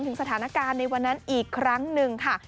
ถึงสถานการณ์ในวันนั้นอีกครั้งหนึ่งค่ะ